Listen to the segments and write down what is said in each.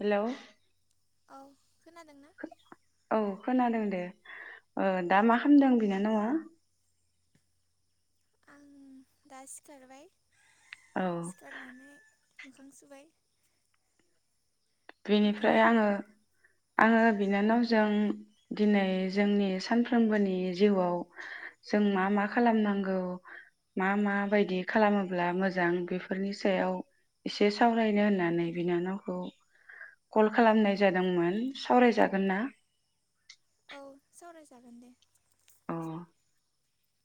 Hello औ खोनादोंना औ खोनादों दे। ओ दा मा खामदों बिनानावा? आं दा सिखारबाय औ सिखारनानै मोखां सुबाय बेनिफ्राय नोंथाङा आङो आङो बिनानाव जों दिनै जोंनि सानफ्रोमबोनि जिउआव जों मा मा खालामनांगौ मा मा बायदि खालामोब्ला मोजां बेफोरनि सायाव एसे सावरायनो होननानै बिनानावखौ कल खालामनाय जादोंमोन सावराय जागोन ना? औ सावरायजागोन दे अ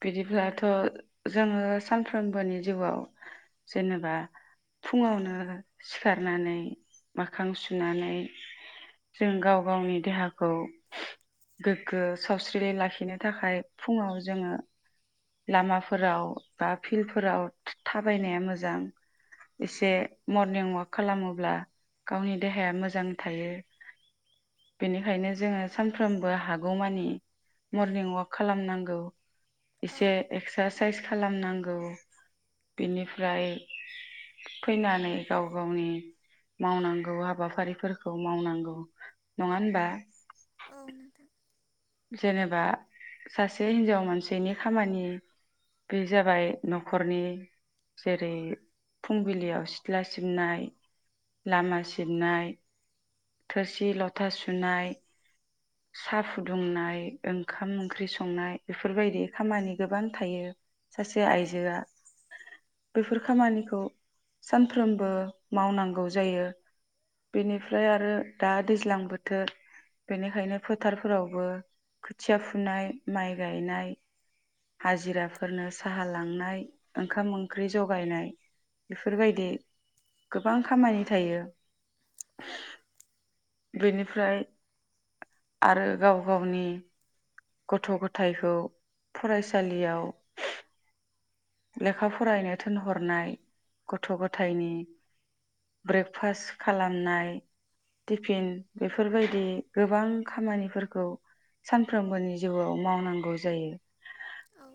बिदिब्लाथ जोङो सानफ्रोमबोनि जिउआव जेनेबा फुङावनो सिखारनानै मोखां सुनानै जों गाव गावनि देहाखौ गोग्गो सावस्रि लाखिनो थाखाय फुङाव जोङो लामाफोराव बा फिल्डफोराव थाबायनाया मोजां औ एसे मरनिं अवाक खालामोब्ला गावनि देहाया मोजां थायो। बेनिखायनो जोङो सानफ्रोमबो हागौमानि मरनिं अवाक खालामनांगौ औ इसे एक्सास साइस खालामनांगौ बिनिफ्राय फैनानै गाव गावनि मावनांगौ हाबाफारिफोरखौ मावनांगौ नङा होनबा। औ नोंथां जेनेबा सासे हिन्जाव मानसिनि खामानि बे जाबाय नखरनि जेरै फुंबिलियाव सिथ्ला सिबनाय लामा सिबनाय थोरसि लथा सुनाय सा फुदुंनाय ओंखाम ओंख्रि संनाय बेफोरबायदि खामानि गोबां थायो सासे औ आइजोआ बेफोर खामानिखौ सानफ्रोमबो मावनांगौ जायो बेनिफ्राय आरो दा दैज्लां बोथोर बेनिखायनो फोथारफोरावबो खोथिया फुनाय माइ गायनाय हाजिराफोरनो साहा लांनाय ओंखाम ओंख्रि जगायनाय बेफोरबायदि गोबां खामानि थायो औ बेनिफ्राय आरो गाव गावनि गथ गथायखौ फरायसालियाव लेखा फरायनो थोनहरनाय गथ गथायनि ब्रेकफास्ट खालामनाय टिफिन बेफोरबायदि गोबां खामानिफोरखौ सानफ्रोमबोनि जिउआव मावनांगौ जायो। औ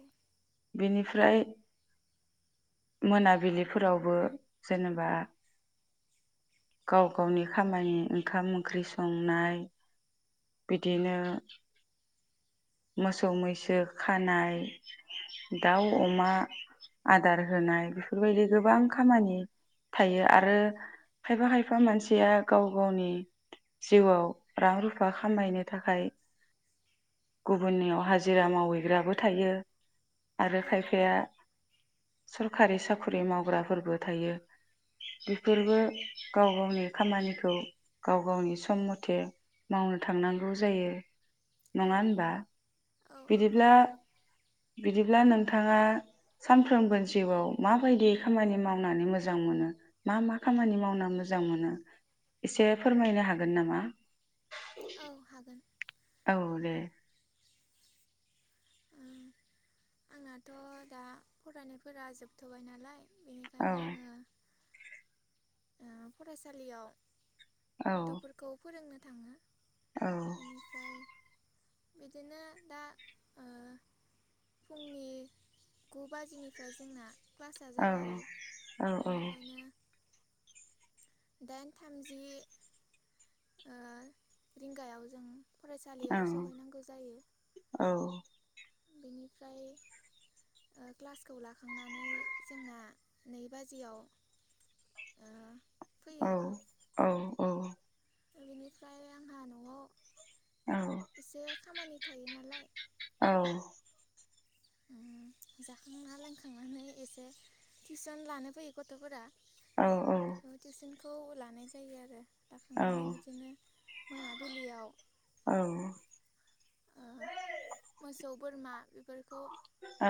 बेनिफ्राय मोनाबिलिफोरावबो जेनेबा गाव गावनि खामानि ओंखाम ओंख्रि संनाय बिदिनो मोसौ मैसो खानाय दाउ अमा आदार होनाय बेफोरबायदि गोबां खामानि थायो आरो खायफा खायफा मानसिया गाव गावनि जिउआव रां रुफा खामायनो थाखाय गुबुननियाव हाजिरा मावहैग्राबो थायो आरो खायफाया सरखारि साख्रि मावग्राफोरबो थायो बेफोरबो गाव गावनि खामानिखौ गाव गावनि सम मथे मावनो थांनांगौ जायो औ नङा होनब औ औ बिदिब्ला नंगौ बिदिब्ला नोंथाङा सानफ्रोमबो जिउआव माबायदि खामानि मावनानै मोजां मोनो मा-मा खामानि मावना मोजां मोनो एसे फोरमायनो हागोन नामा औ हागोन औ दे उम आंनाथ दा फरायनायफोरा जोबथबाय नालाय औ बेनिखायनो आङो ओ फरायसालियाव औ गथफोरखौ फोरोंनो थाङो औ बेनिफ्राय बिदिनो दा ओ फुंनि गु बाजिनिफ्राय जोंना क्लासआ औ जागायो औ बेनिखायनो दाइन थामजि ओ रिंगायाव जों औ फरायसालियाव सहैनांगौ जायो औ बेनिफ्राय ओ क्लासखौ लाखांनानै जोंना नै बाजियाव फैयो औ औ ओ बिनिफ्राय आंहा न'आव एसे औ खामानि थायो नालाय औ ओम जाखांना लोंखांनानै एसे टिउसन लानो फैयो गथ'फोरा। औ टिउस खौ लानाय जायो आरो लाखांनानै बिदिनो मोनाबिलियाव औ ओ मोसौ बोरमा बिफोरखौ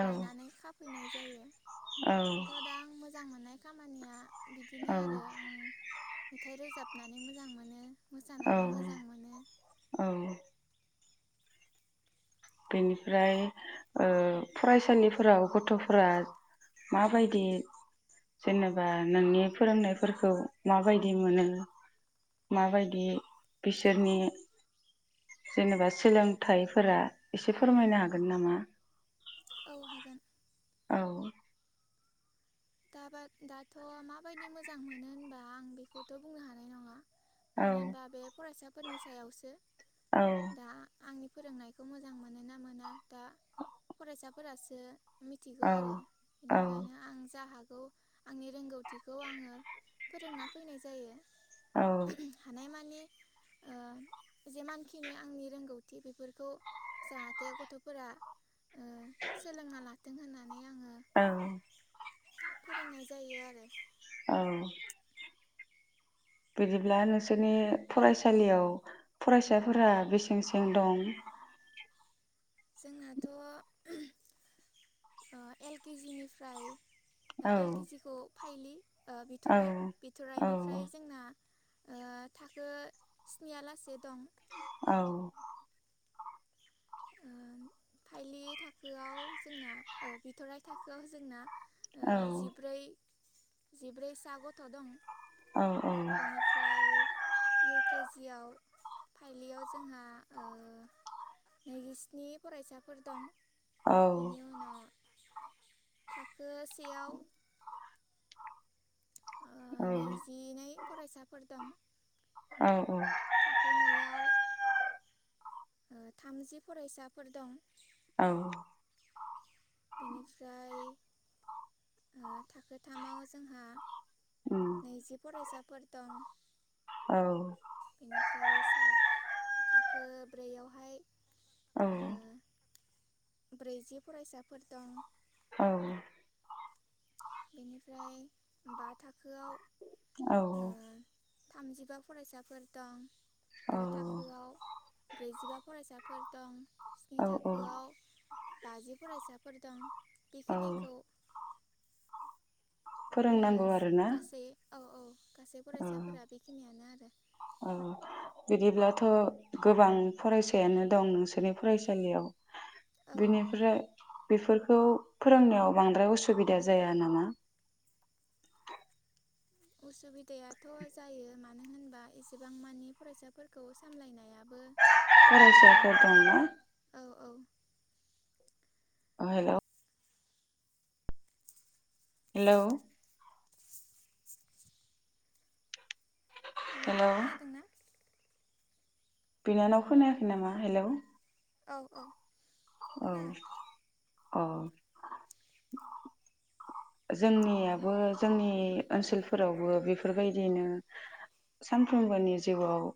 लायनानै खा फैनाय जायो दाथ' दा आं मोजां मोननाय खामानिया बिदिनो आरो आं मेथाइ रोजाबनानै मोजां मोनो। मोसानानै मोजां मोनो औ औ बेनिफ्राय ओ फरायसालिफोराव गथ'फोरा माबायदि जेनेबा नोंनि फोरोंनायफोरखौ माबायदि मोनो माबायदि बिसोरनि जेनेबा सोलोंथाइफोरा एसे फोरमायनो हागोन नामा? औ हागोन। औ दाबा दाथ' माबायदि मोजां मोनो होनबा आं बेखौथ' बुंनो हानाय नङा मानो औ होनबा बे फरायसाफोरनि सायावसो औ दा आंनि फोरोंनायखौ मोजां मोनो ना मोना दा फरायसाफोरासो मिथिगौ औ आरो औ बेनिखायनो आं जा हाख गौ आंनि रोंगौथिखौ आङो फोरोंना फैनाय जायो औ [unintelligible] हानाय मानि ओ जेमानखिनि आंनि रोंगौथि बेफोरखौ जाहाथे गथ'फोरा ओ सोलोंना लाथों होननानै आङो औ फोरोंनाय जायो आरो औ बिदिब्ला नोंसोरनि फरायसालियाव फरायसाफोरा बेसेंसें दं? जोंनाथ' ओ एल के जि निफ्राय दा औ एलकेजिखौ फाइलि ओ औ बिथ'राय औ बिथ'राइनिफ्राय जोंना ओ थाखो स्नि आ लासे दं। औ ओ फाइलि थाखोआव जोंना ओ बिथ'राइ थाखोआव जोंना ओ औ जिब्रै जिब्रैसा गथ' दं। औ बेनिफ्राय इउ केजिआव फाइलियाव जोंहा नैजिस्नि फरायसाफ फोर दं। बेनि उनाव थाखो सेयाव ओ नैजिनै फरायसाफोर दं। औ थाखो नैआव थामजि फरायसाफोर दं। औ बेनिफ्राय ओ थाखोथामाव जोंहा उम नैजि फरायसाफ फोर दं। औ बेनिफ्राय सा थाखो ब्रैआवहाय औ ब्रैजि फरायसाफोर दं। औ बेनिफ्राय बा थाखोआव औ औ थामजिबा फरायसाफोर दं। औ द' थाखोआव ब्रैजिबा फरायसाफोर दं। स्नि औ औ थाखोआव बाजि फरायसाफोर दं। औ बेखिनिखौ फोरोंनांगौ आरोना गासै औ औ गासै औ फरायसाफोरा बेखिनियानो आरो थ गोबां फरायसायानो दं नोंसोरनि फरायसालियाव आरो बेनिफ्राय बेफोरखौ फोरोंनायाव बांद्राय उसुबिदा जाया नामा उसुबिदायाथ जायो मानो होनबा एसेबां मानि फरायसाफोरखौ सामलायनायाबो ओ फरायसाफोर दङ औ औ ओ हेलौ हेलौ हेलौ खोनादों ना बिनानाव खोनायाखै नामा हेलौ औ औ औ खोनाबाय अ जोंनियाबो जोंनि ओनसोलफोरावबो बेफोरबायदिनो सानफ्रोमबोनि जिउआव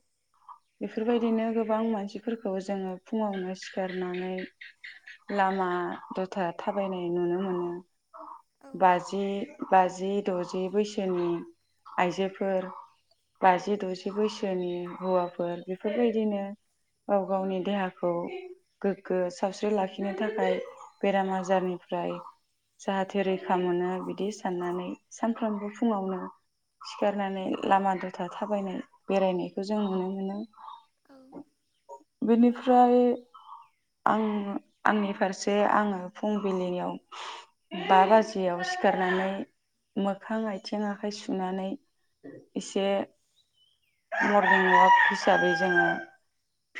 बेफोरबायदिनो गोबां मानसिफोरखौ जोङो फुङावनो सिखारनानै लामा दथा थाबायनाय नुनो मोनो औ बाजि बाजि दजि बैसोनि आइजोफोर बाजि दजि बैसोनि हौवाफोर बेफोरबायदिनो गाव गावनि देहाखौ गोग्गो सावस्रि लाखिनो थाखाय बेराम आजारनिफ्राय जाहाथे रै खा मोनो बिदि साननानै सानफ्रामबो फुङावनो सिखारनानै लामा दथा थाबायनाय बेरायनायखौ जों नुनो मोनो औ बेनिफ्राय आं आंनि फारसे आङो फुंबिलिनियाव बा बाजि याव सिखारनानै मोखां आथिं आखाइ सुनानै एसे मरनिं वाक हिसाबै जोङो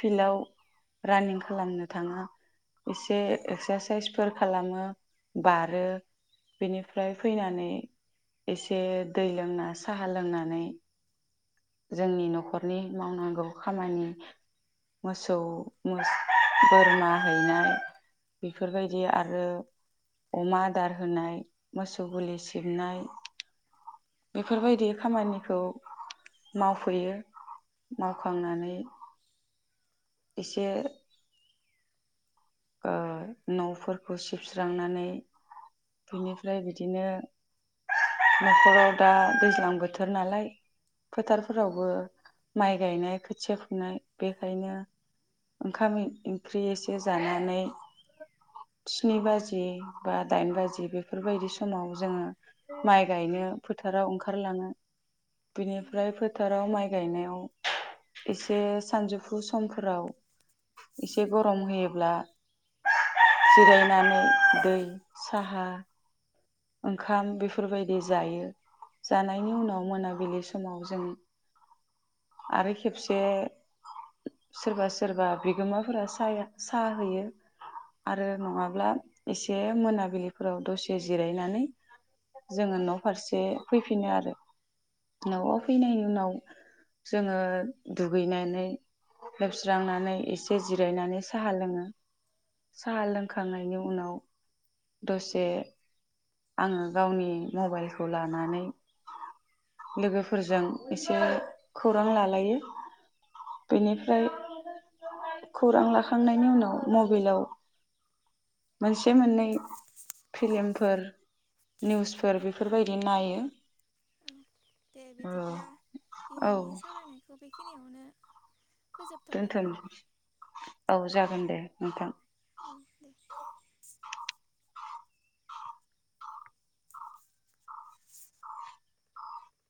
फिल्डआव रानिं खालामनो थाङो एसे औ एक्सारसाइसफोर खालामो बारो बेनिफ्राय फैनानै एसे दै लोंना साहा लोंनानै जोंनि नखरनि मावनांगौ खामानि मोसौ मोस बोरमा हैनाय बेफोरबायदि आरो अमा आदार होनाय मोसौ गुलि सिबनाय बेफोरबायदि खामानिखौ मावफैयो मावखांनानै एसे ओ नफोरखौ सिबस्रांनानै बिनिफ्राय बिदिनो नखराव दा दैज्लां बोथोर नालाय औ फोथारफोरावबो माइ गायनाय खोथिया फुनाय बेखायनो ओंखाम ए ओंख्रि एसे जाना नै स्नि बाजि बा दाइन बाजि बेफोरबायदि समाव जोङो माइ गायनो फोथाराव ओंखारलाङो उम। बिनिफ्राय फोथाराव माइ गायनायाव एसे सानजौफु समफोराव एसे गरम होयोब्ला जिरायनानै दै साहा ओंखाम बेफोरबायदि जायो जानायनि उनाव मोनाबिलि समाव जों आरो खेबसे सोरबा सोरबा बिगोमाफोरा सा-सा हैयो आरो नङाब्ला एसे मोनाबिलिफोराव दसे जिरायनानै जोङो न फारसे फैफिनो आरो नआव फैनायनि उनाव जोङो दुगैनानै लोबस्रांनानै एसे जिरायनानै साहा लोङो साहा लोंखांनायनि उनाव दसे आङो गावनि मबाइलखौ लानानै लोगोफोरजों एसे खौरां लालायो बेनिफ्राय खौरां लाखांनायनि उनाव मबिलाव मोनसे मोननै फिल्म फोर निउसफोर बेफोरबायदि नायो ओं दे बिदिब्ला औ दिनैनि सावरायनायखौ बे खिनियावनो दोनथनिसै औ जागोन दे नोंथां औ दे